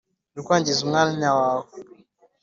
Urikwangza umwanya wawe